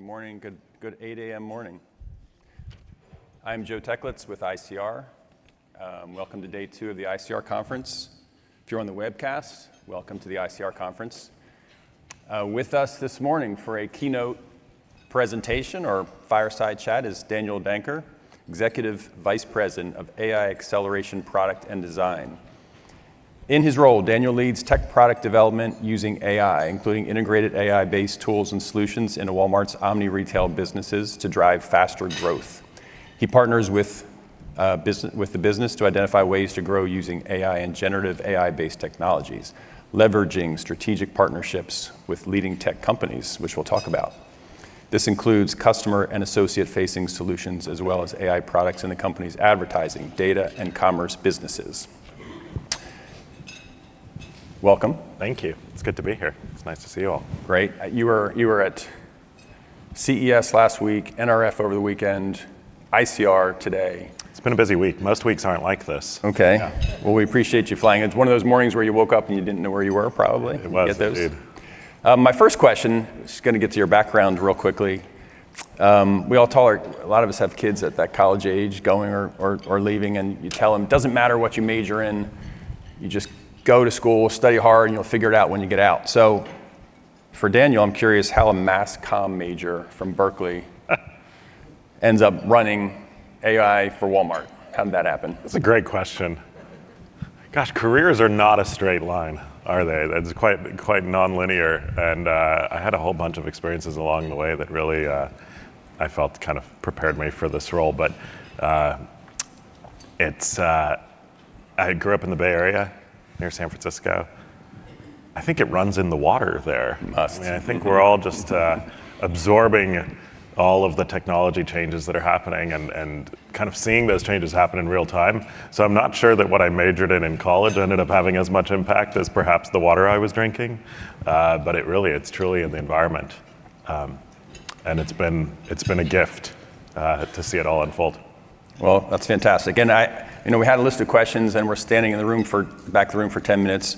Morning. Good morning. Good, good 8:00 A.M. morning. I'm Joe Teklits with ICR. Welcome to day two of the ICR Conference. If you're on the webcast, welcome to the ICR Conference. With us this morning for a keynote presentation or fireside chat is Daniel Danker, Executive Vice President of AI Acceleration Product and Design. In his role, Daniel leads tech product development using AI, including integrated AI-based tools and solutions in Walmart's omni-retail businesses to drive faster growth. He partners with the business to identify ways to grow using AI and generative AI-based technologies, leveraging strategic partnerships with leading tech companies, which we'll talk about. This includes customer and associate-facing solutions, as well as AI products in the company's advertising, data, and commerce businesses. Welcome. Thank you. It's good to be here. It's nice to see you all. Great. You were at CES last week, NRF over the weekend, ICR today. It's been a busy week. Most weeks aren't like this. Okay. Well, we appreciate you flying. It's one of those mornings where you woke up and you didn't know where you were, probably. It was, indeed. My first question, just going to get to your background real quickly. We all talk, a lot of us have kids at that college age going or leaving, and you tell them, it doesn't matter what you major in, you just go to school, study hard, and you'll figure it out when you get out. So for Daniel, I'm curious how a Mass Comm major from Berkeley ends up running AI for Walmart. How did that happen? That's a great question. Gosh, careers are not a straight line, are they? It's quite non-linear. And I had a whole bunch of experiences along the way that really I felt kind of prepared me for this role. But I grew up in the Bay Area, near San Francisco. I think it runs in the water there. It must. I mean, I think we're all just absorbing all of the technology changes that are happening and kind of seeing those changes happen in real time, so I'm not sure that what I majored in in college ended up having as much impact as perhaps the water I was drinking, but it really, it's truly in the environment, and it's been a gift to see it all unfold. Well, that's fantastic. And we had a list of questions, and we're standing in the back of the room for 10 minutes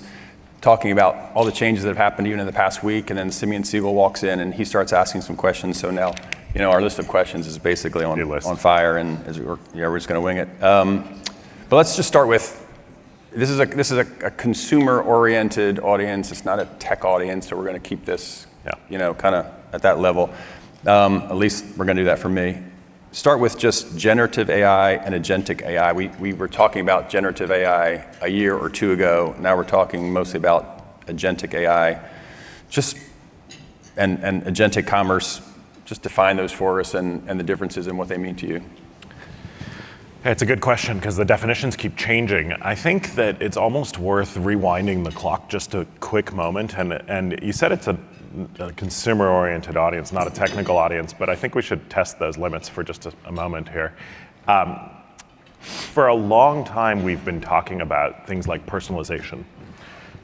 talking about all the changes that have happened to you in the past week. And then Simeon Siegel walks in, and he starts asking some questions. So now our list of questions is basically on fire, and we're just going to wing it. But let's just start with this. This is a consumer-oriented audience. It's not a tech audience, so we're going to keep this kind of at that level. At least we're going to do that for me. Start with just generative AI and agentic AI. We were talking about generative AI a year or two ago. Now we're talking mostly about agentic AI. And agentic commerce, just define those for us and the differences and what they mean to you. That's a good question because the definitions keep changing. I think that it's almost worth rewinding the clock just a quick moment, and you said it's a consumer-oriented audience, not a technical audience, but I think we should test those limits for just a moment here. For a long time, we've been talking about things like personalization,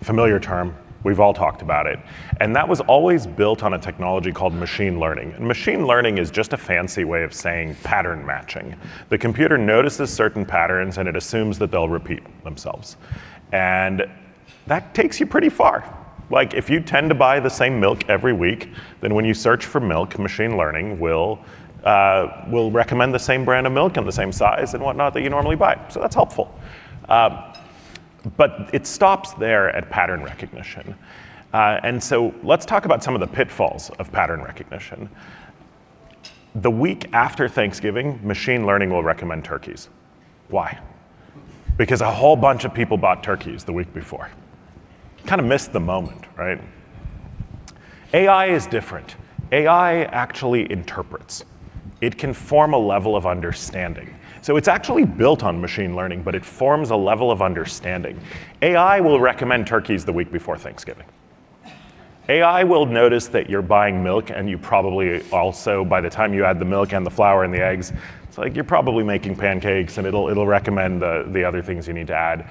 a familiar term. We've all talked about it, and that was always built on a technology called machine learning, and machine learning is just a fancy way of saying pattern matching. The computer notices certain patterns, and it assumes that they'll repeat themselves, and that takes you pretty far. Like if you tend to buy the same milk every week, then when you search for milk, machine learning will recommend the same brand of milk and the same size and whatnot that you normally buy, so that's helpful. But it stops there at pattern recognition. And so let's talk about some of the pitfalls of pattern recognition. The week after Thanksgiving, machine learning will recommend turkeys. Why? Because a whole bunch of people bought turkeys the week before. Kind of missed the moment, right? AI is different. AI actually interprets. It can form a level of understanding. So it's actually built on machine learning, but it forms a level of understanding. AI will recommend turkeys the week before Thanksgiving. AI will notice that you're buying milk, and you probably also, by the time you add the milk and the flour and the eggs, it's like you're probably making pancakes, and it'll recommend the other things you need to add.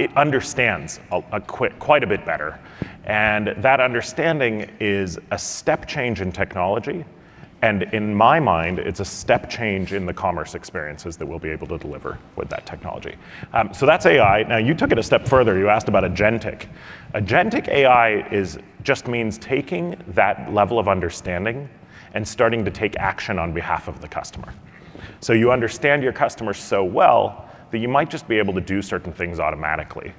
It understands quite a bit better. And that understanding is a step change in technology. In my mind, it's a step change in the commerce experiences that we'll be able to deliver with that technology. So that's AI. Now you took it a step further. You asked about agentic. Agentic AI just means taking that level of understanding and starting to take action on behalf of the customer. So you understand your customers so well that you might just be able to do certain things automatically.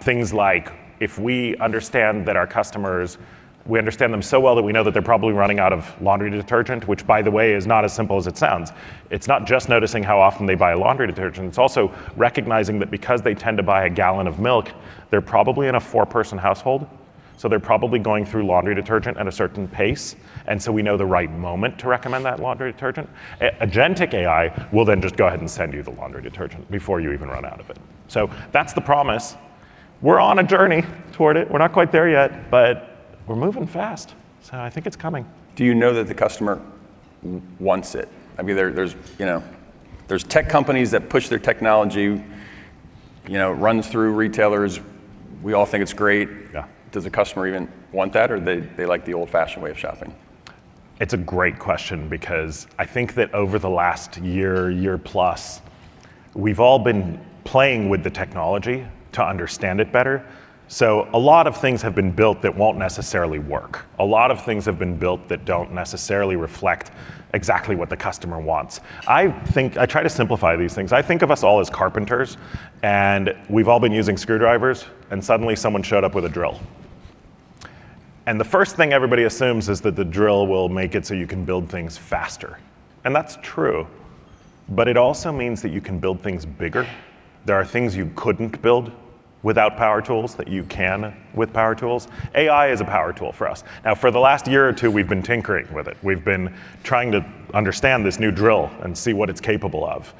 Things like if we understand that our customers, we understand them so well that we know that they're probably running out of laundry detergent, which by the way, is not as simple as it sounds. It's not just noticing how often they buy laundry detergent. It's also recognizing that because they tend to buy a gallon of milk, they're probably in a four-person household. So they're probably going through laundry detergent at a certain pace. And so we know the right moment to recommend that laundry detergent. Agentic AI will then just go ahead and send you the laundry detergent before you even run out of it. So that's the promise. We're on a journey toward it. We're not quite there yet, but we're moving fast. So I think it's coming. Do you know that the customer wants it? I mean, there's tech companies that push their technology, runs through retailers. We all think it's great. Does the customer even want that, or they like the old-fashioned way of shopping? It's a great question because I think that over the last year, year plus, we've all been playing with the technology to understand it better. So a lot of things have been built that won't necessarily work. A lot of things have been built that don't necessarily reflect exactly what the customer wants. I try to simplify these things. I think of us all as carpenters, and we've all been using screwdrivers, and suddenly someone showed up with a drill. And the first thing everybody assumes is that the drill will make it so you can build things faster. And that's true. But it also means that you can build things bigger. There are things you couldn't build without power tools that you can with power tools. AI is a power tool for us. Now, for the last year or two, we've been tinkering with it. We've been trying to understand this new drill and see what it's capable of.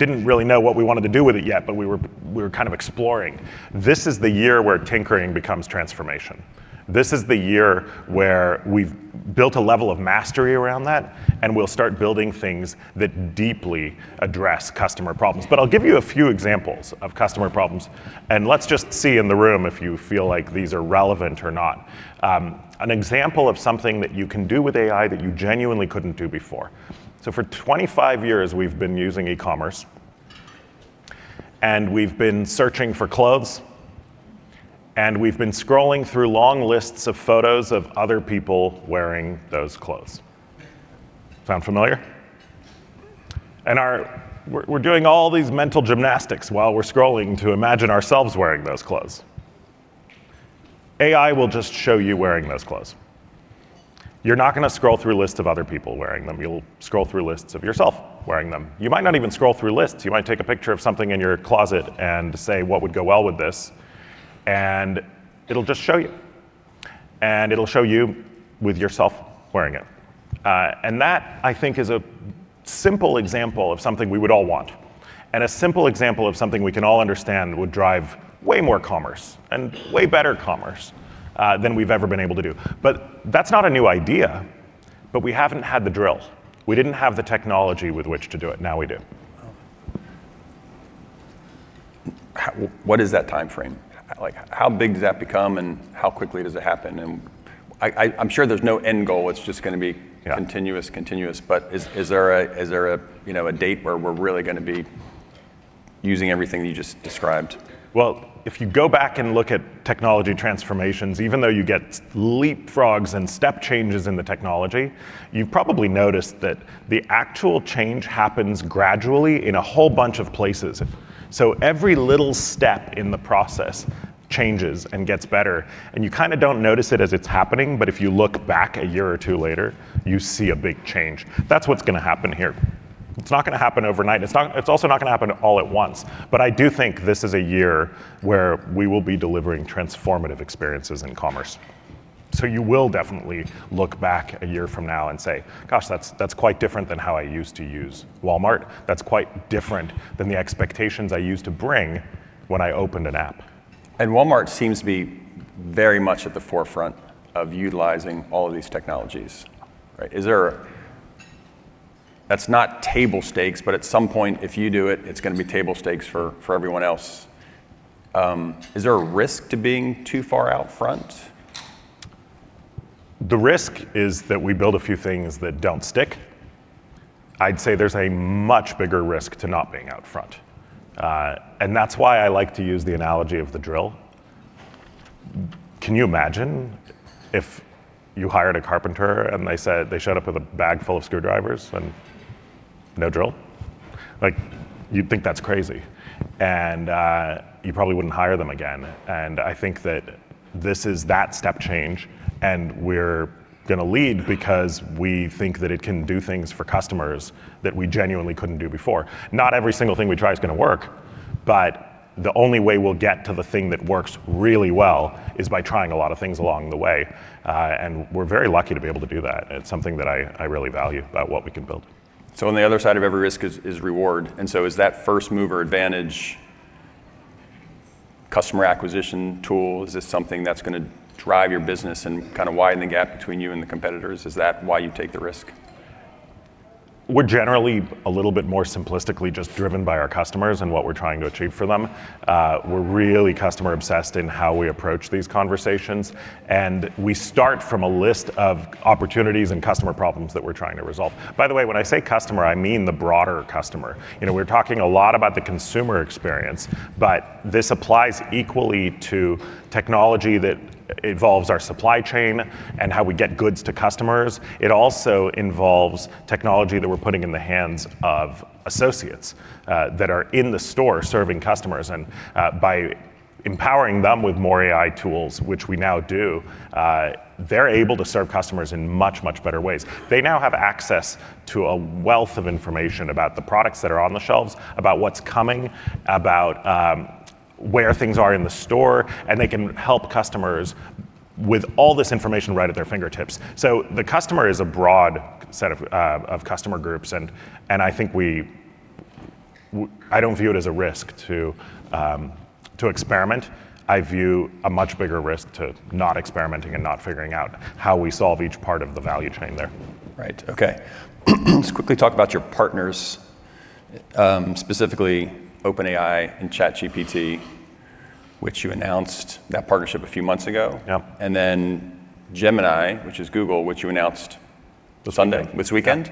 Didn't really know what we wanted to do with it yet, but we were kind of exploring. This is the year where tinkering becomes transformation. This is the year where we've built a level of mastery around that, and we'll start building things that deeply address customer problems. But I'll give you a few examples of customer problems. And let's just see in the room if you feel like these are relevant or not. An example of something that you can do with AI that you genuinely couldn't do before. So for 25 years, we've been using e-commerce, and we've been searching for clothes, and we've been scrolling through long lists of photos of other people wearing those clothes. Sound familiar? And we're doing all these mental gymnastics while we're scrolling to imagine ourselves wearing those clothes. AI will just show you wearing those clothes. You're not going to scroll through a list of other people wearing them. You'll scroll through lists of yourself wearing them. You might not even scroll through lists. You might take a picture of something in your closet and say, what would go well with this? And it'll just show you. And it'll show you with yourself wearing it. And that, I think, is a simple example of something we would all want. And a simple example of something we can all understand would drive way more commerce and way better commerce than we've ever been able to do. But that's not a new idea. But we haven't had the drills. We didn't have the technology with which to do it. Now we do. What is that timeframe? How big does that become, and how quickly does it happen? And I'm sure there's no end goal. It's just going to be continuous, continuous. But is there a date where we're really going to be using everything you just described? If you go back and look at technology transformations, even though you get leapfrogs and step changes in the technology, you've probably noticed that the actual change happens gradually in a whole bunch of places. So every little step in the process changes and gets better. And you kind of don't notice it as it's happening, but if you look back a year or two later, you see a big change. That's what's going to happen here. It's not going to happen overnight. It's also not going to happen all at once. But I do think this is a year where we will be delivering transformative experiences in commerce. So you will definitely look back a year from now and say, "Gosh, that's quite different than how I used to use Walmart. That's quite different than the expectations I used to bring when I opened an app." Walmart seems to be very much at the forefront of utilizing all of these technologies. That's not table stakes, but at some point, if you do it, it's going to be table stakes for everyone else. Is there a risk to being too far out front? The risk is that we build a few things that don't stick. I'd say there's a much bigger risk to not being out front. And that's why I like to use the analogy of the drill. Can you imagine if you hired a carpenter and they showed up with a bag full of screwdrivers and no drill? You'd think that's crazy. And you probably wouldn't hire them again. And I think that this is that step change. And we're going to lead because we think that it can do things for customers that we genuinely couldn't do before. Not every single thing we try is going to work, but the only way we'll get to the thing that works really well is by trying a lot of things along the way. And we're very lucky to be able to do that. It's something that I really value about what we can build. So on the other side of every risk is reward. And so is that first-mover advantage, customer acquisition tool? Is this something that's going to drive your business and kind of widen the gap between you and the competitors? Is that why you take the risk? We're generally, a little bit more simplistically, just driven by our customers and what we're trying to achieve for them. We're really customer-obsessed in how we approach these conversations. And we start from a list of opportunities and customer problems that we're trying to resolve. By the way, when I say customer, I mean the broader customer. We're talking a lot about the consumer experience, but this applies equally to technology that involves our supply chain and how we get goods to customers. It also involves technology that we're putting in the hands of associates that are in the store serving customers. And by empowering them with more AI tools, which we now do, they're able to serve customers in much, much better ways. They now have access to a wealth of information about the products that are on the shelves, about what's coming, about where things are in the store, and they can help customers with all this information right at their fingertips, so the customer is a broad set of customer groups, and I think I don't view it as a risk to experiment. I view a much bigger risk to not experimenting and not figuring out how we solve each part of the value chain there. Right. Okay. Let's quickly talk about your partners, specifically OpenAI and ChatGPT, which you announced that partnership a few months ago. And then Gemini, which is Google, which you announced this Sunday, this weekend.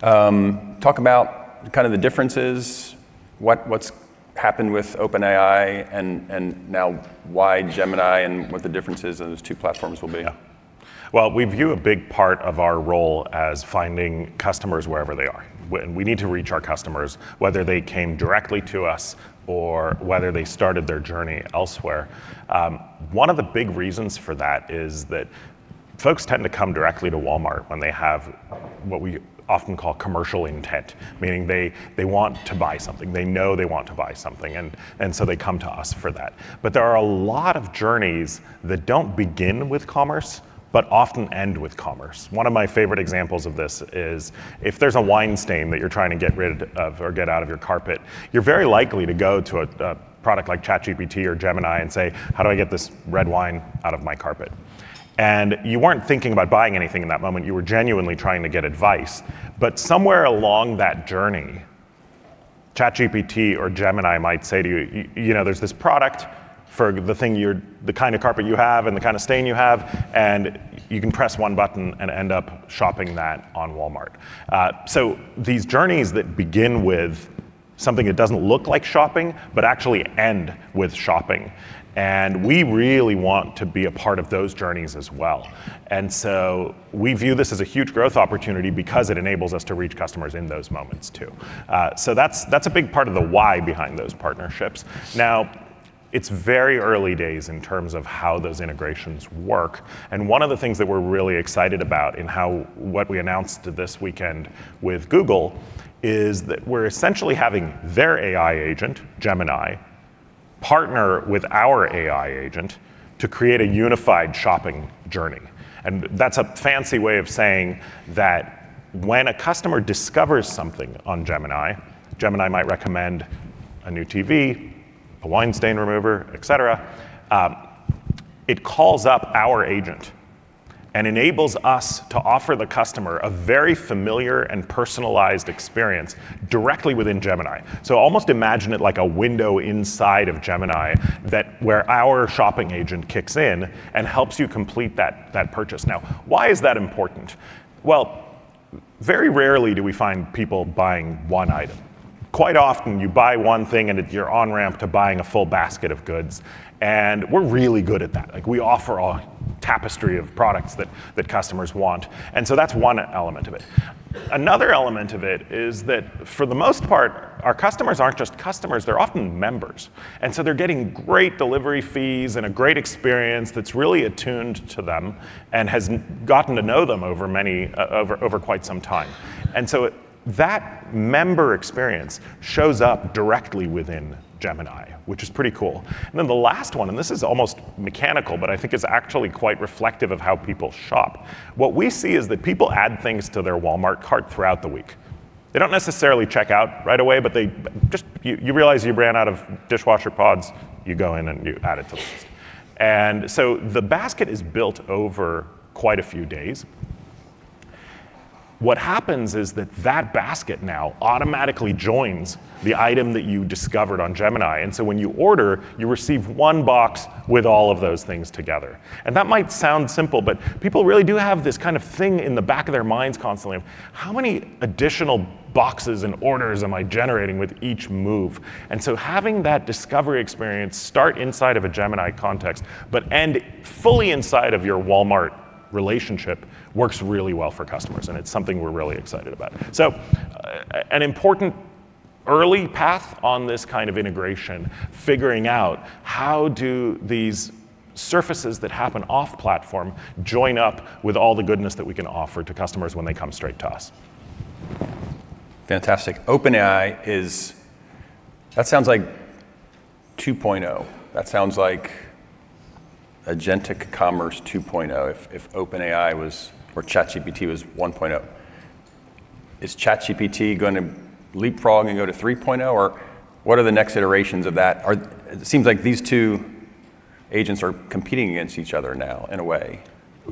Talk about kind of the differences, what's happened with OpenAI, and now why Gemini and what the differences in those two platforms will be. We view a big part of our role as finding customers wherever they are. We need to reach our customers, whether they came directly to us or whether they started their journey elsewhere. One of the big reasons for that is that folks tend to come directly to Walmart when they have what we often call commercial intent, meaning they want to buy something. They know they want to buy something. They come to us for that. There are a lot of journeys that don't begin with commerce, but often end with commerce. One of my favorite examples of this is if there's a wine stain that you're trying to get rid of or get out of your carpet, you're very likely to go to a product like ChatGPT or Gemini and say, how do I get this red wine out of my carpet? You weren't thinking about buying anything in that moment. You were genuinely trying to get advice. Somewhere along that journey, ChatGPT or Gemini might say to you, there's this product for the kind of carpet you have and the kind of stain you have, and you can press one button and end up shopping that on Walmart. These journeys that begin with something that doesn't look like shopping, but actually end with shopping. We really want to be a part of those journeys as well. We view this as a huge growth opportunity because it enables us to reach customers in those moments too. That's a big part of the why behind those partnerships. Now, it's very early days in terms of how those integrations work. And one of the things that we're really excited about in what we announced this weekend with Google is that we're essentially having their AI agent, Gemini, partner with our AI agent to create a unified shopping journey. And that's a fancy way of saying that when a customer discovers something on Gemini, Gemini might recommend a new TV, a wine stain remover, et cetera. It calls up our agent and enables us to offer the customer a very familiar and personalized experience directly within Gemini. So almost imagine it like a window inside of Gemini where our shopping agent kicks in and helps you complete that purchase. Now, why is that important? Well, very rarely do we find people buying one item. Quite often, you buy one thing and you're on ramp to buying a full basket of goods. And we're really good at that. We offer a tapestry of products that customers want, and so that's one element of it. Another element of it is that for the most part, our customers aren't just customers. They're often members, and so they're getting great delivery fees and a great experience that's really attuned to them and has gotten to know them over quite some time, and so that member experience shows up directly within Gemini, which is pretty cool, and then the last one, and this is almost mechanical, but I think it's actually quite reflective of how people shop. What we see is that people add things to their Walmart cart throughout the week. They don't necessarily check out right away, but you realize you ran out of dishwasher pods. You go in and you add it to the list, and so the basket is built over quite a few days. What happens is that that basket now automatically joins the item that you discovered on Gemini, and so when you order, you receive one box with all of those things together, and that might sound simple, but people really do have this kind of thing in the back of their minds constantly. How many additional boxes and orders am I generating with each move? And so having that discovery experience start inside of a Gemini context, but end fully inside of your Walmart relationship works really well for customers, and it's something we're really excited about, so an important early path on this kind of integration, figuring out how do these surfaces that happen off-platform join up with all the goodness that we can offer to customers when they come straight to us. Fantastic. OpenAI is, that sounds like 2.0. That sounds like agentic commerce 2.0 if OpenAI or ChatGPT was 1.0. Is ChatGPT going to leapfrog and go to 3.0? Or what are the next iterations of that? It seems like these two agents are competing against each other now in a way.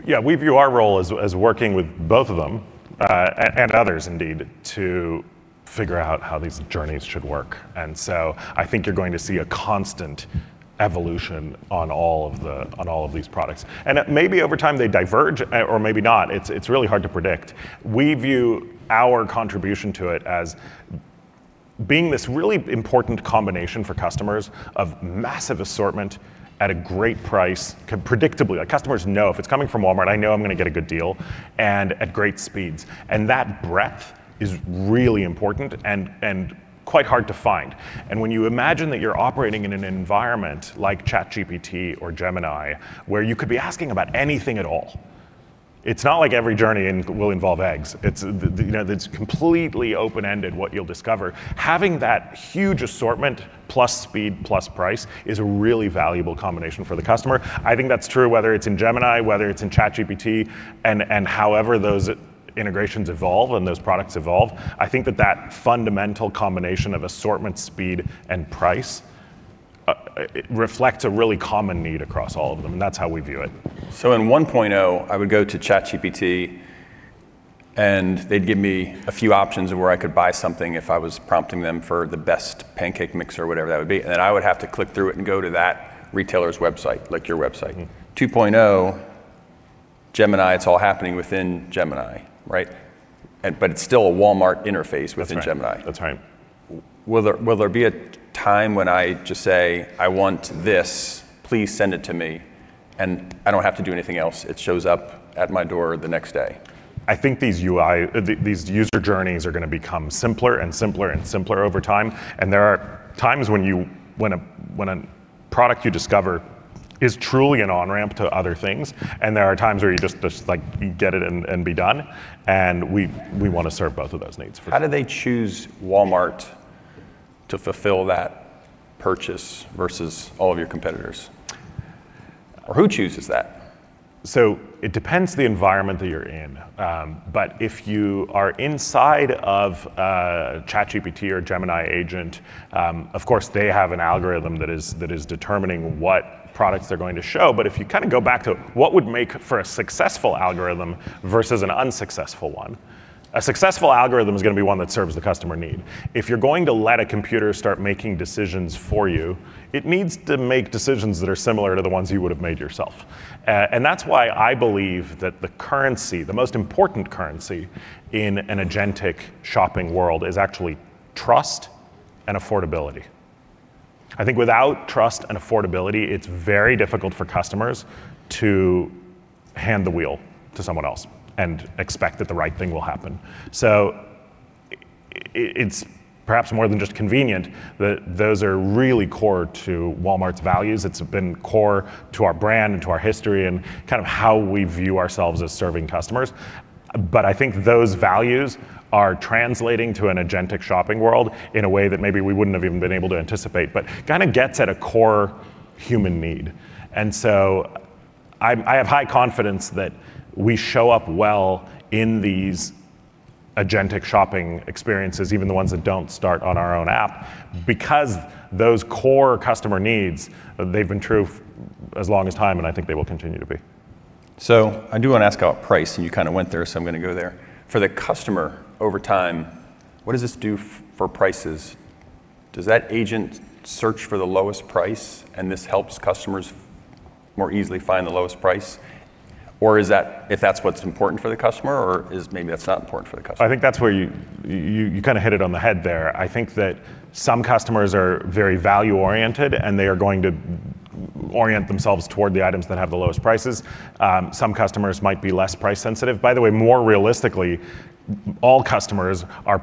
Yeah, we view our role as working with both of them and others, indeed, to figure out how these journeys should work, and so I think you're going to see a constant evolution on all of these products, and maybe over time they diverge or maybe not. It's really hard to predict. We view our contribution to it as being this really important combination for customers of massive assortment at a great price, predictably. Customers know if it's coming from Walmart, I know I'm going to get a good deal and at great speeds. And that breadth is really important and quite hard to find, and when you imagine that you're operating in an environment like ChatGPT or Gemini, where you could be asking about anything at all, it's not like every journey will involve eggs. It's completely open-ended what you'll discover. Having that huge assortment plus speed plus price is a really valuable combination for the customer. I think that's true whether it's in Gemini, whether it's in ChatGPT, and however those integrations evolve and those products evolve. I think that that fundamental combination of assortment, speed, and price reflects a really common need across all of them, and that's how we view it. So in 1.0, I would go to ChatGPT, and they'd give me a few options of where I could buy something if I was prompting them for the best pancake mix or whatever that would be. And then I would have to click through it and go to that retailer's website, like your website. 2.0, Gemini, it's all happening within Gemini, right? But it's still a Walmart interface within Gemini. That's right. Will there be a time when I just say, "I want this, please send it to me," and I don't have to do anything else? It shows up at my door the next day. I think these user journeys are going to become simpler and simpler and simpler over time, and there are times when a product you discover is truly an on-ramp to other things, and there are times where you just get it and be done, and we want to serve both of those needs. How do they choose Walmart to fulfill that purchase versus all of your competitors? Or who chooses that? So it depends on the environment that you're in. But if you are inside of ChatGPT or Gemini agent, of course, they have an algorithm that is determining what products they're going to show. But if you kind of go back to what would make for a successful algorithm versus an unsuccessful one, a successful algorithm is going to be one that serves the customer need. If you're going to let a computer start making decisions for you, it needs to make decisions that are similar to the ones you would have made yourself. And that's why I believe that the currency, the most important currency in an agentic shopping world, is actually trust and affordability. I think without trust and affordability, it's very difficult for customers to hand the wheel to someone else and expect that the right thing will happen. So it's perhaps more than just convenient that those are really core to Walmart's values. It's been core to our brand and to our history and kind of how we view ourselves as serving customers. But I think those values are translating to an agentic shopping world in a way that maybe we wouldn't have even been able to anticipate, but kind of gets at a core human need. And so I have high confidence that we show up well in these agentic shopping experiences, even the ones that don't start on our own app, because those core customer needs, they've been true as long as time, and I think they will continue to be. So, I do want to ask about price. And you kind of went there, so I'm going to go there. For the customer over time, what does this do for prices? Does that agent search for the lowest price and this helps customers more easily find the lowest price? Or is that if that's what's important for the customer, or is maybe that's not important for the customer? I think that's where you kind of hit it on the head there. I think that some customers are very value-oriented, and they are going to orient themselves toward the items that have the lowest prices. Some customers might be less price-sensitive. By the way, more realistically, all customers are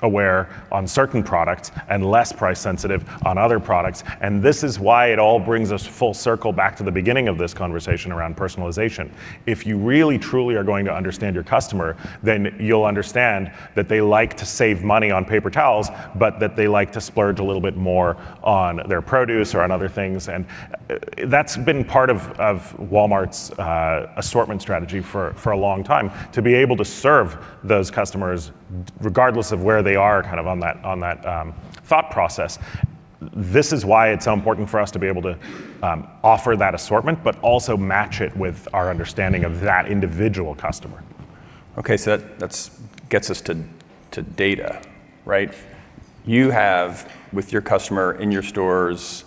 price-aware on certain products and less price-sensitive on other products. And this is why it all brings us full circle back to the beginning of this conversation around personalization. If you really, truly are going to understand your customer, then you'll understand that they like to save money on paper towels, but that they like to splurge a little bit more on their produce or on other things. And that's been part of Walmart's assortment strategy for a long time, to be able to serve those customers regardless of where they are kind of on that thought process. This is why it's so important for us to be able to offer that assortment, but also match it with our understanding of that individual customer. Okay. So that gets us to data, right? You have, with your customer in your stores,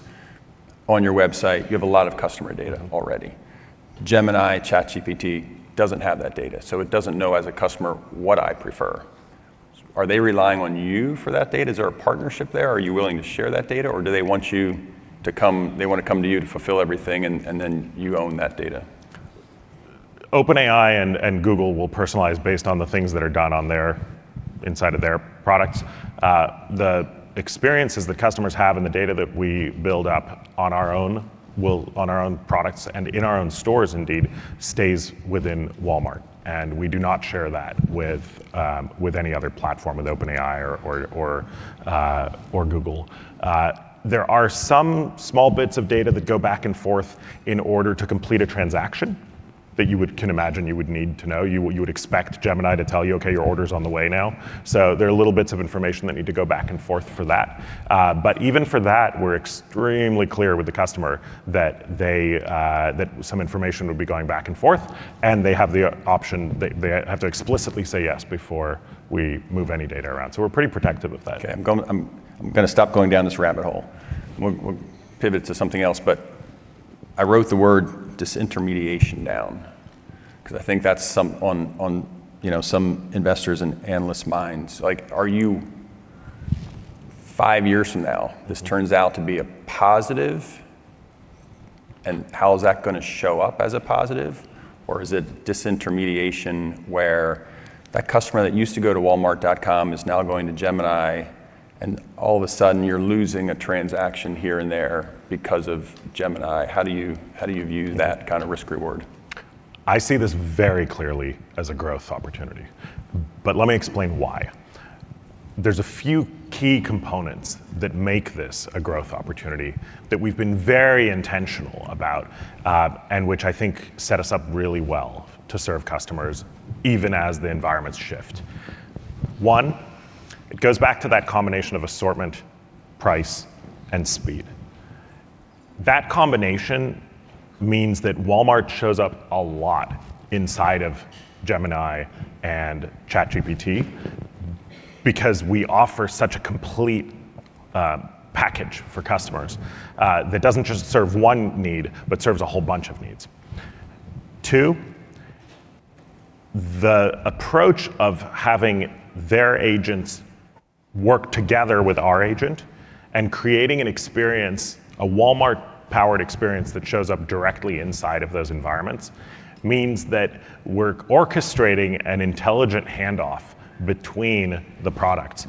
on your website, you have a lot of customer data already. Gemini, ChatGPT doesn't have that data. So it doesn't know as a customer what I prefer. Are they relying on you for that data? Is there a partnership there? Are you willing to share that data? Or do they want you to come, they want to come to you to fulfill everything, and then you own that data? OpenAI and Google will personalize based on the things that are done on their inside of their products. The experiences that customers have and the data that we build up on our own products and in our own stores, indeed, stays within Walmart. And we do not share that with any other platform with OpenAI or Google. There are some small bits of data that go back and forth in order to complete a transaction that you can imagine you would need to know. You would expect Gemini to tell you, okay, your order's on the way now. So there are little bits of information that need to go back and forth for that. But even for that, we're extremely clear with the customer that some information would be going back-and-forth. And they have the option, they have to explicitly say yes before we move any data around. So we're pretty protective of that. Okay. I'm going to stop going down this rabbit hole. We'll pivot to something else, but I wrote the word disintermediation down because I think that's on some investors' and analysts' minds. Are you, five years from now, this turns out to be a positive? And how is that going to show up as a positive? Or is it disintermediation where that customer that used to go to walmart.com is now going to Gemini and all of a sudden you're losing a transaction here and there because of Gemini? How do you view that kind of risk-reward? I see this very clearly as a growth opportunity. But let me explain why. There's a few key components that make this a growth opportunity that we've been very intentional about and which I think set us up really well to serve customers even as the environments shift. One, it goes back to that combination of assortment, price, and speed. That combination means that Walmart shows up a lot inside of Gemini and ChatGPT because we offer such a complete package for customers that doesn't just serve one need, but serves a whole bunch of needs. Two, the approach of having their agents work together with our agent and creating an experience, a Walmart-powered experience that shows up directly inside of those environments means that we're orchestrating an intelligent handoff between the products,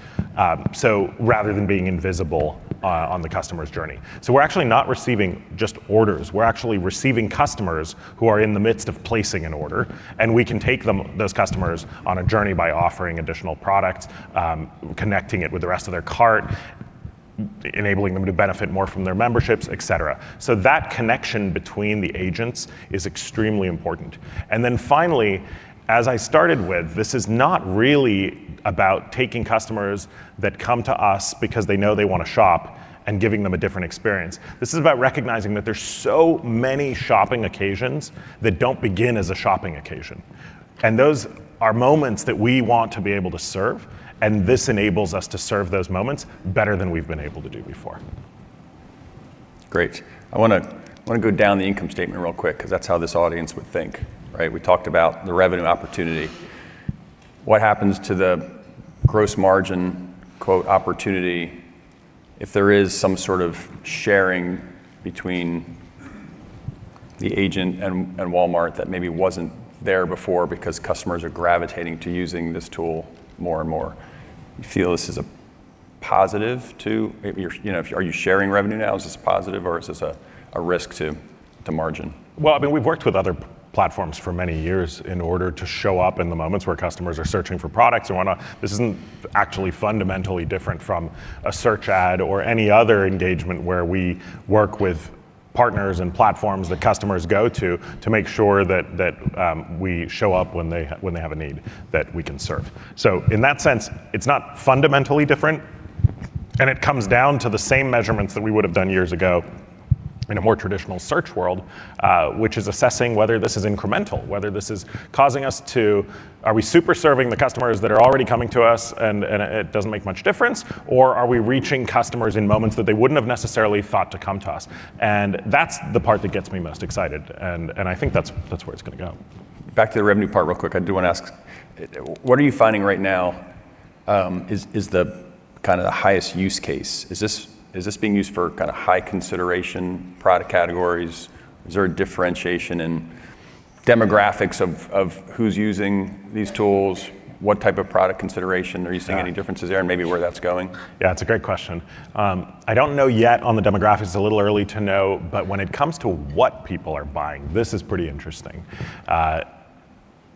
so rather than being invisible on the customer's journey, so we're actually not receiving just orders. We're actually receiving customers who are in the midst of placing an order, and we can take those customers on a journey by offering additional products, connecting it with the rest of their cart, enabling them to benefit more from their memberships, et cetera, so that connection between the agents is extremely important. And then finally, as I started with, this is not really about taking customers that come to us because they know they want to shop and giving them a different experience. This is about recognizing that there's so many shopping occasions that don't begin as a shopping occasion, and those are moments that we want to be able to serve, and this enables us to serve those moments better than we've been able to do before. Great. I want to go down the income statement real quick because that's how this audience would think, right? We talked about the revenue opportunity. What happens to the gross margin, quote, opportunity if there is some sort of sharing between the agent and Walmart that maybe wasn't there before because customers are gravitating to using this tool more and more? You feel this is a positive too? Are you sharing revenue now? Is this positive or is this a risk to the margin? I mean, we've worked with other platforms for many years in order to show up in the moments where customers are searching for products and whatnot. This isn't actually fundamentally different from a search ad or any other engagement where we work with partners and platforms that customers go to to make sure that we show up when they have a need that we can serve, so in that sense, it's not fundamentally different, and it comes down to the same measurements that we would have done years ago in a more traditional search world, which is assessing whether this is incremental, whether this is causing us to, are we super serving the customers that are already coming to us and it doesn't make much difference, or are we reaching customers in moments that they wouldn't have necessarily thought to come to us? And that's the part that gets me most excited. And I think that's where it's going to go. Back to the revenue part real quick. I do want to ask, what are you finding right now is the kind of highest use case? Is this being used for kind of high-consideration product categories? Is there a differentiation in demographics of who's using these tools? What type of product consideration? Are you seeing any differences there and maybe where that's going? Yeah, that's a great question. I don't know yet on the demographics. It's a little early to know. But when it comes to what people are buying, this is pretty interesting.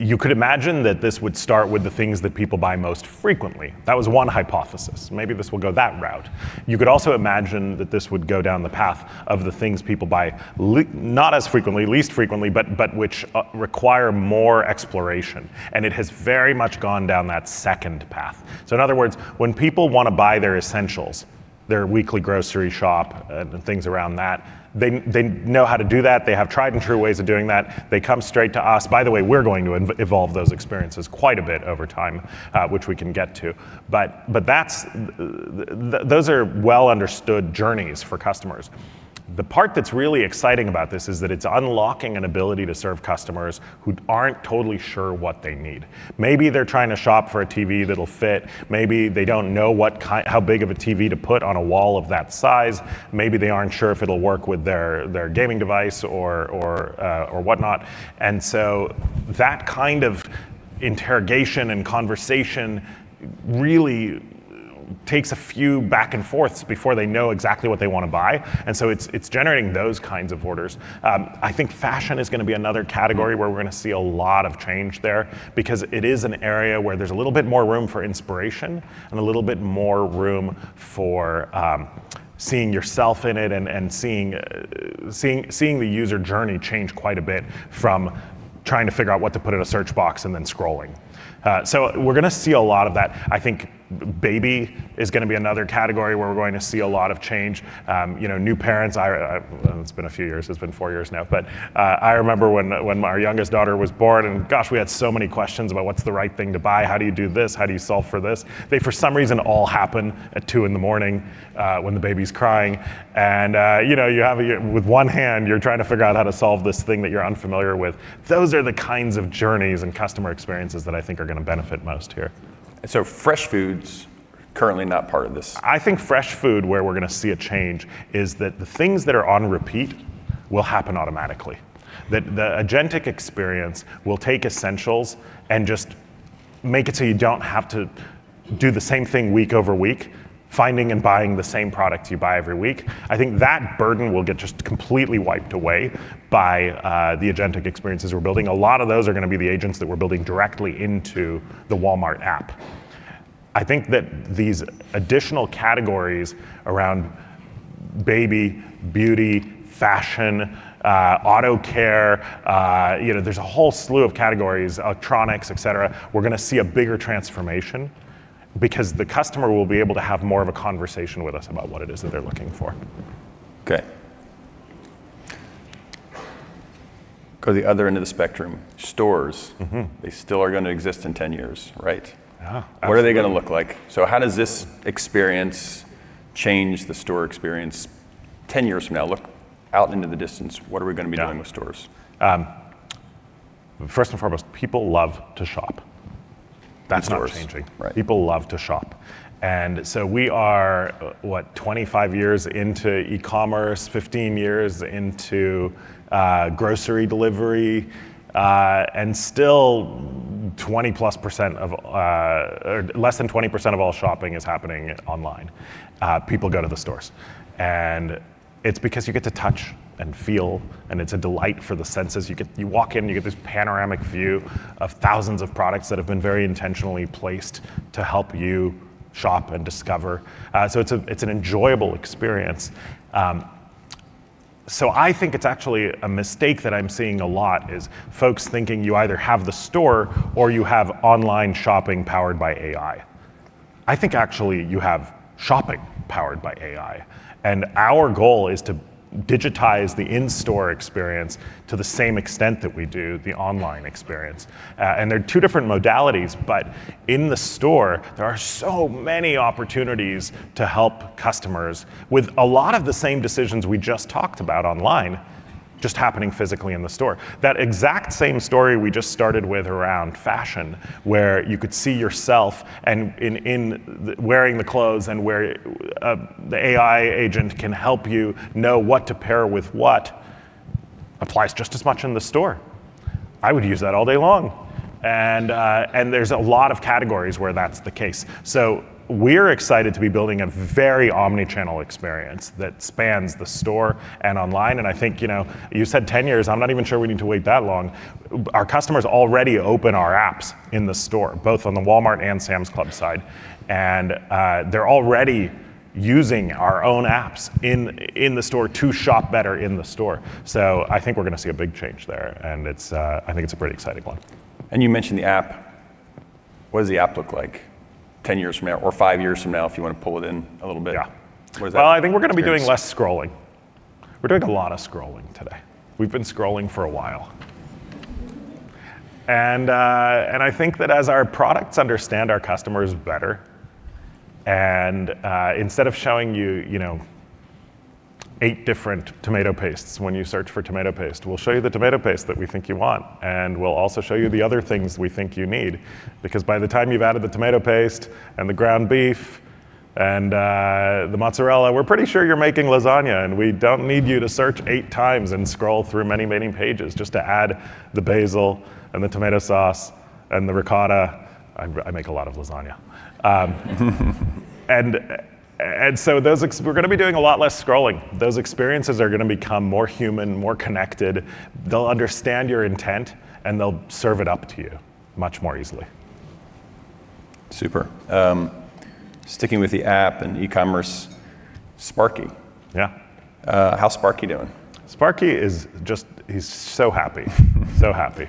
You could imagine that this would start with the things that people buy most frequently. That was one hypothesis. Maybe this will go that route. You could also imagine that this would go down the path of the things people buy not as frequently, least frequently, but which require more exploration. And it has very much gone down that second path. So in other words, when people want to buy their essentials, their weekly grocery shop and things around that, they know how to do that. They have tried and true ways of doing that. They come straight to us. By the way, we're going to evolve those experiences quite a bit over time, which we can get to. But those are well-understood journeys for customers. The part that's really exciting about this is that it's unlocking an ability to serve customers who aren't totally sure what they need. Maybe they're trying to shop for a TV that'll fit. Maybe they don't know how big of a TV to put on a wall of that size. Maybe they aren't sure if it'll work with their gaming device or whatnot. And so that kind of interrogation and conversation really takes a few back-and-forths before they know exactly what they want to buy. And so it's generating those kinds of orders. I think fashion is going to be another category where we're going to see a lot of change there because it is an area where there's a little bit more room for inspiration and a little bit more room for seeing yourself in it and seeing the user journey change quite a bit from trying to figure out what to put in a search box and then scrolling. So we're going to see a lot of that. I think baby is going to be another category where we're going to see a lot of change. New parents, it's been a few years. It's been four years now. But I remember when our youngest daughter was born, and gosh, we had so many questions about what's the right thing to buy. How do you do this? How do you solve for this? They, for some reason, all happen at 2 in the morning when the baby's crying, and you have with one hand, you're trying to figure out how to solve this thing that you're unfamiliar with. Those are the kinds of journeys and customer experiences that I think are going to benefit most here. Fresh food's currently not part of this. I think fresh food, where we're going to see a change, is that the things that are on repeat will happen automatically. That the agentic experience will take essentials and just make it so you don't have to do the same thing week over week, finding and buying the same product you buy every week. I think that burden will get just completely wiped away by the agentic experiences we're building. A lot of those are going to be the agents that we're building directly into the Walmart app. I think that these additional categories around baby, beauty, fashion, auto care, there's a whole slew of categories, electronics, et cetera, we're going to see a bigger transformation because the customer will be able to have more of a conversation with us about what it is that they're looking for. Okay. Go to the other end of the spectrum. Stores, they still are going to exist in 10 years, right? What are they going to look like? So how does this experience change the store experience 10 years from now? Look out into the distance. What are we going to be doing with stores? First and foremost, people love to shop. That's not changing. People love to shop. And so we are, what, 25 years into e-commerce, 15 years into grocery delivery, and still 20% plus or less than 20% of all shopping is happening online. People go to the stores. And it's because you get to touch and feel, and it's a delight for the senses. You walk in, you get this panoramic view of thousands of products that have been very intentionally placed to help you shop and discover. So it's an enjoyable experience. So I think it's actually a mistake that I'm seeing a lot is folks thinking you either have the store or you have online shopping powered by AI. I think actually you have shopping powered by AI. And our goal is to digitize the in-store experience to the same extent that we do the online experience. There are two different modalities. In the store, there are so many opportunities to help customers with a lot of the same decisions we just talked about online just happening physically in the store. That exact same story we just started with around fashion, where you could see yourself wearing the clothes and where the AI agent can help you know what to pair with what applies just as much in the store. I would use that all day long. There's a lot of categories where that's the case. We're excited to be building a very omnichannel experience that spans the store and online. I think you said 10 years. I'm not even sure we need to wait that long. Our customers already open our apps in the store, both on the Walmart and Sam's Club side. And they're already using our own apps in the store to shop better in the store. So I think we're going to see a big change there. And I think it's a pretty exciting one. And you mentioned the app. What does the app look like 10 years from now or five years from now if you want to pull it in a little bit? Yeah, well, I think we're going to be doing less scrolling. We're doing a lot of scrolling today. We've been scrolling for a while, and I think that as our products understand our customers better, and instead of showing you eight different tomato pastes when you search for tomato paste, we'll show you the tomato paste that we think you want, and we'll also show you the other things we think you need. Because by the time you've added the tomato paste and the ground beef and the mozzarella, we're pretty sure you're making lasagna, and we don't need you to search eight times and scroll through many, many pages just to add the basil and the tomato sauce and the ricotta. I make a lot of lasagna, and so we're going to be doing a lot less scrolling. Those experiences are going to become more human, more connected. They'll understand your intent, and they'll serve it up to you much more easily. Super. Sticking with the app and e-commerce, Sparky. Yeah. How's Sparky doing? Sparky is just, he's so happy, so happy.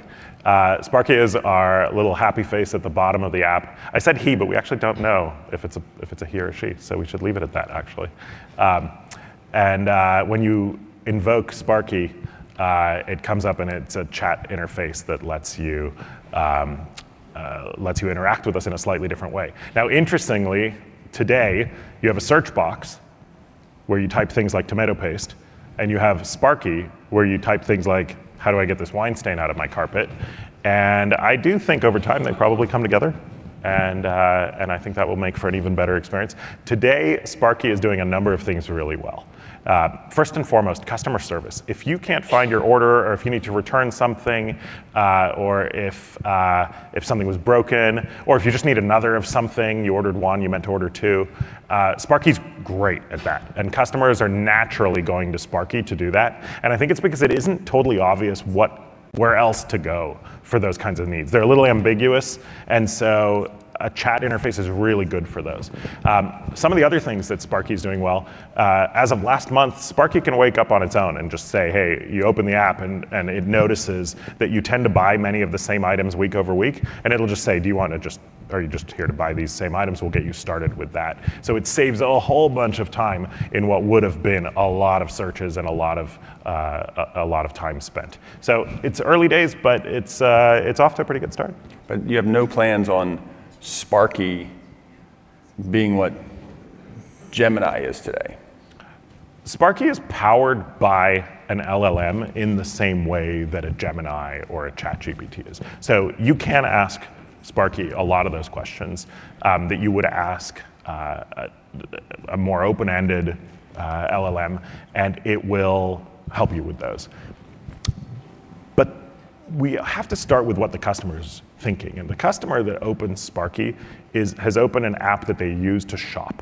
Sparky is our little happy face at the bottom of the app. I said he, but we actually don't know if it's a he or a she. So we should leave it at that, actually. And when you invoke Sparky, it comes up, and it's a chat interface that lets you interact with us in a slightly different way. Now, interestingly, today, you have a search box where you type things like tomato paste. And you have Sparky, where you type things like, how do I get this wine stain out of my carpet? And I do think over time, they probably come together. And I think that will make for an even better experience. Today, Sparky is doing a number of things really well. First and foremost, customer service. If you can't find your order or if you need to return something or if something was broken or if you just need another of something, you ordered one, you meant to order two, Sparky's great at that. And customers are naturally going to Sparky to do that. And I think it's because it isn't totally obvious where else to go for those kinds of needs. They're a little ambiguous. And so a chat interface is really good for those. Some of the other things that Sparky's doing well, as of last month, Sparky can wake up on its own and just say, "Hey, you open the app," and it notices that you tend to buy many of the same items week over week. And it'll just say, "Do you want to just are you just here to buy these same items? We'll get you started with that." So it saves a whole bunch of time in what would have been a lot of searches and a lot of time spent. So it's early days, but it's off to a pretty good start. But you have no plans on Sparky being what Gemini is today? Sparky is powered by an LLM in the same way that a Gemini or a ChatGPT is. So you can ask Sparky a lot of those questions that you would ask a more open-ended LLM. And it will help you with those. But we have to start with what the customer's thinking. And the customer that opens Sparky has opened an app that they use to shop.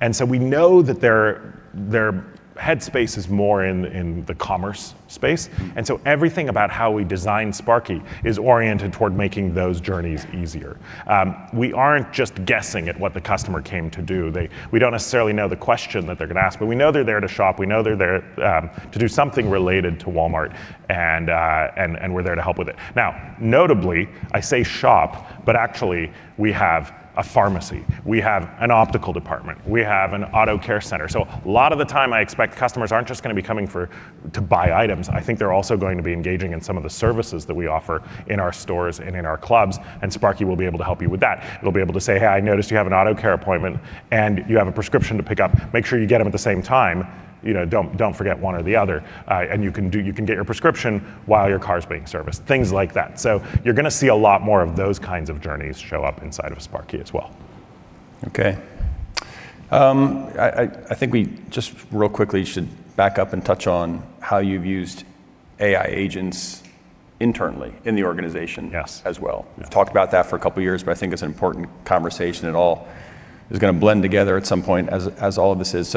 And so we know that their headspace is more in the commerce space. And so everything about how we design Sparky is oriented toward making those journeys easier. We aren't just guessing at what the customer came to do. We don't necessarily know the question that they're going to ask. But we know they're there to shop. We know they're there to do something related to Walmart. And we're there to help with it. Now, notably, I say shop, but actually, we have a pharmacy. We have an optical department. We have an auto care center. So a lot of the time, I expect customers aren't just going to be coming to buy items. I think they're also going to be engaging in some of the services that we offer in our stores and in our clubs. And Sparky will be able to help you with that. It'll be able to say, "Hey, I noticed you have an auto care appointment, and you have a prescription to pick up. Make sure you get them at the same time. Don't forget one or the other. And you can get your prescription while your car's being serviced," things like that. So you're going to see a lot more of those kinds of journeys show up inside of Sparky as well. OK. I think we just real quickly should back up and touch on how you've used AI agents internally in the organization as well. Talked about that for a couple of years. But I think it's an important conversation and all is going to blend together at some point, as all of this is.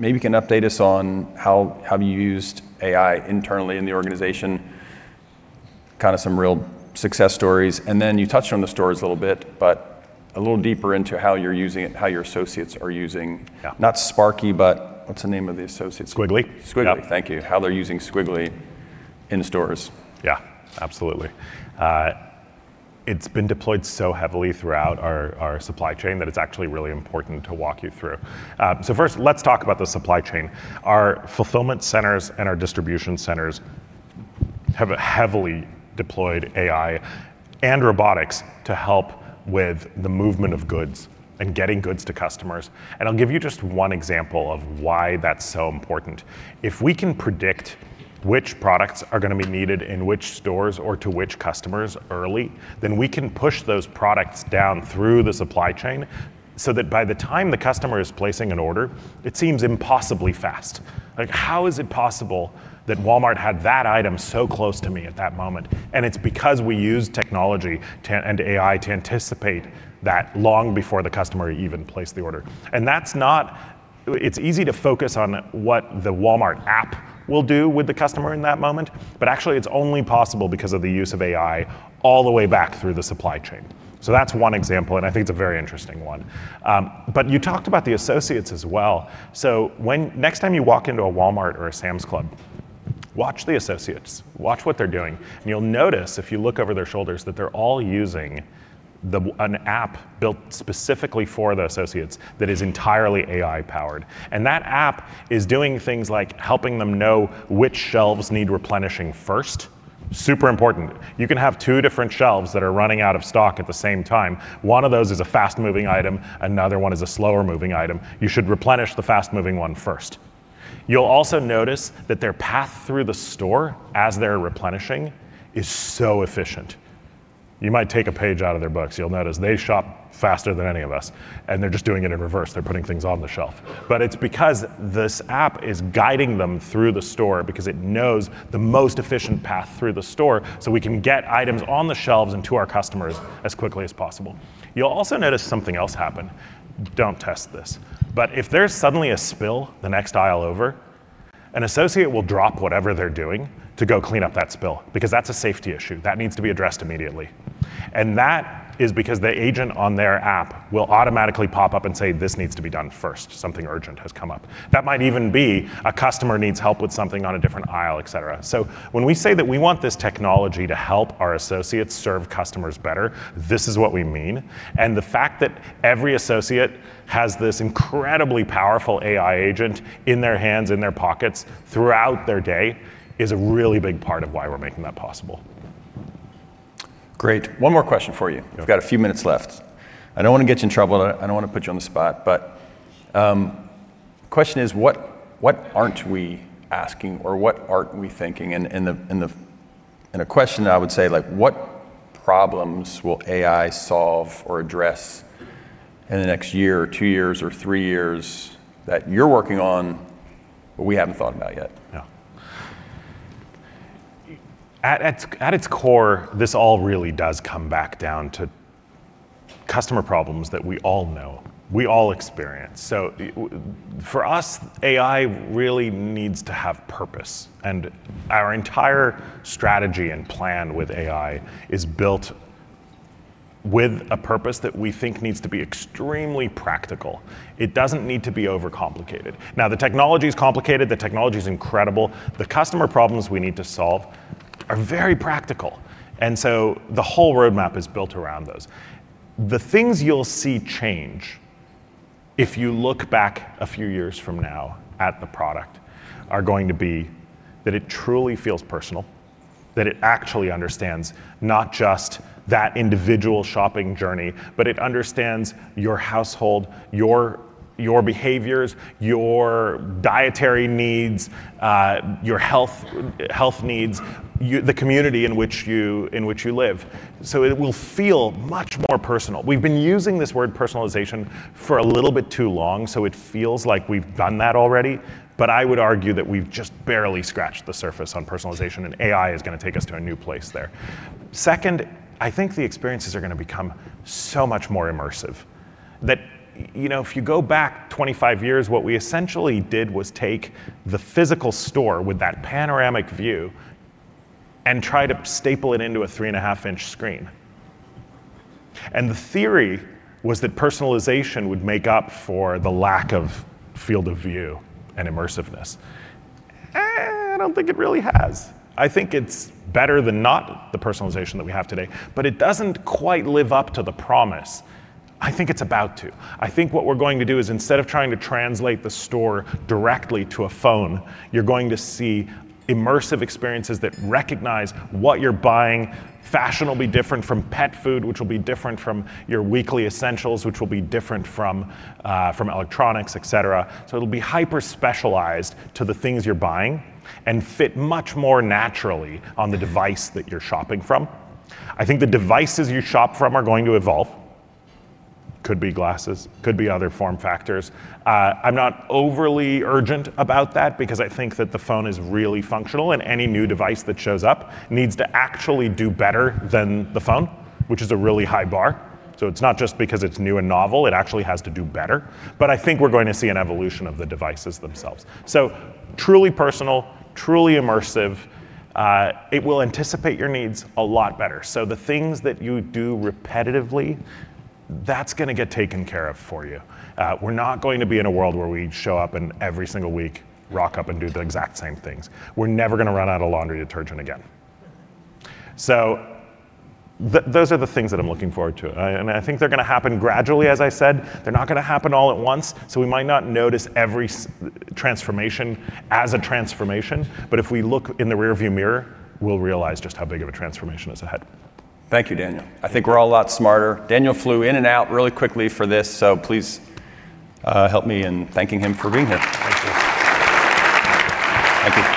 So maybe you can update us on how you used AI internally in the organization, kind of some real success stories. And then you touched on the stores a little bit, but a little deeper into how you're using it, how your associates are using not Sparky, but what's the name of the associates? Squiggly. Squiggly. Thank you. How they're using Squiggly in stores? Yeah, absolutely. It's been deployed so heavily throughout our supply chain that it's actually really important to walk you through. So first, let's talk about the supply chain. Our fulfillment centers and our distribution centers have heavily deployed AI and robotics to help with the movement of goods and getting goods to customers. And I'll give you just one example of why that's so important. If we can predict which products are going to be needed in which stores or to which customers early, then we can push those products down through the supply chain so that by the time the customer is placing an order, it seems impossibly fast. How is it possible that Walmart had that item so close to me at that moment? And it's because we use technology and AI to anticipate that long before the customer even placed the order. It's easy to focus on what the Walmart app will do with the customer in that moment. Actually, it's only possible because of the use of AI all the way back through the supply chain. That's one example. I think it's a very interesting one. You talked about the associates as well. Next time you walk into a Walmart or a Sam's Club, watch the associates. Watch what they're doing. You'll notice, if you look over their shoulders, that they're all using an app built specifically for the associates that is entirely AI powered. That app is doing things like helping them know which shelves need replenishing first. Super important. You can have two different shelves that are running out of stock at the same time. One of those is a fast-moving item. Another one is a slower-moving item. You should replenish the fast-moving one first. You'll also notice that their path through the store as they're replenishing is so efficient. You might take a page out of their books. You'll notice they shop faster than any of us, and they're just doing it in reverse. They're putting things on the shelf, but it's because this app is guiding them through the store because it knows the most efficient path through the store so we can get items on the shelves and to our customers as quickly as possible. You'll also notice something else happen. Don't test this, but if there's suddenly a spill the next aisle over, an associate will drop whatever they're doing to go clean up that spill because that's a safety issue. That needs to be addressed immediately. And that is because the agent on their app will automatically pop up and say, this needs to be done first. Something urgent has come up. That might even be a customer needs help with something on a different aisle, et cetera. So when we say that we want this technology to help our associates serve customers better, this is what we mean. And the fact that every associate has this incredibly powerful AI agent in their hands, in their pockets throughout their day is a really big part of why we're making that possible. Great. One more question for you. We've got a few minutes left. I don't want to get you in trouble. I don't want to put you on the spot. But the question is, what aren't we asking or what aren't we thinking? And a question that I would say, what problems will AI solve or address in the next year or two years or three years that you're working on but we haven't thought about yet? Yeah. At its core, this all really does come back down to customer problems that we all know, we all experience. So for us, AI really needs to have purpose. And our entire strategy and plan with AI is built with a purpose that we think needs to be extremely practical. It doesn't need to be overcomplicated. Now, the technology is complicated. The technology is incredible. The customer problems we need to solve are very practical. And so the whole roadmap is built around those. The things you'll see change if you look back a few years from now at the product are going to be that it truly feels personal, that it actually understands not just that individual shopping journey, but it understands your household, your behaviors, your dietary needs, your health needs, the community in which you live. So it will feel much more personal. We've been using this word personalization for a little bit too long, so it feels like we've done that already, but I would argue that we've just barely scratched the surface on personalization, and AI is going to take us to a new place there. Second, I think the experiences are going to become so much more immersive that if you go back 25 years, what we essentially did was take the physical store with that panoramic view and try to staple it into a 3.5-in screen, and the theory was that personalization would make up for the lack of field of view and immersiveness. I don't think it really has. I think it's better than not the personalization that we have today, but it doesn't quite live up to the promise. I think it's about to. I think what we're going to do is instead of trying to translate the store directly to a phone, you're going to see immersive experiences that recognize what you're buying. Fashion will be different from pet food, which will be different from your weekly essentials, which will be different from electronics, et cetera, so it'll be hyper-specialized to the things you're buying and fit much more naturally on the device that you're shopping from. I think the devices you shop from are going to evolve. Could be glasses. Could be other form factors. I'm not overly urgent about that because I think that the phone is really functional, and any new device that shows up needs to actually do better than the phone, which is a really high bar, so it's not just because it's new and novel. It actually has to do better. But I think we're going to see an evolution of the devices themselves. So truly personal, truly immersive. It will anticipate your needs a lot better. So the things that you do repetitively, that's going to get taken care of for you. We're not going to be in a world where we show up every single week, rock up, and do the exact same things. We're never going to run out of laundry detergent again. So those are the things that I'm looking forward to. And I think they're going to happen gradually, as I said. They're not going to happen all at once. So we might not notice every transformation as a transformation. But if we look in the rearview mirror, we'll realize just how big of a transformation is ahead. Thank you, Daniel. I think we're all a lot smarter. Daniel flew in and out really quickly for this. So please help me in thanking him for being here. Thank you.